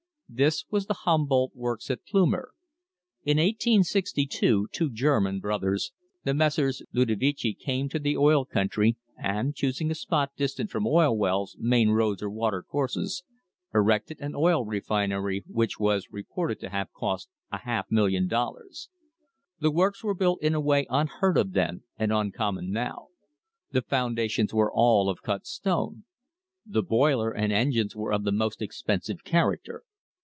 This was the Humboldt works at Plumer. In 1862 two Germans, brothers, the Messrs. Ludovici, came to the oil country and, choosing a spot distant from oil wells, main roads, or water courses, erected an oil refin ery which was reported to have cost a half million dollars. The works were built in a way unheard of then and uncom mon now. The foundations were all of cut stone. The boiler and engines were of the most expensive character.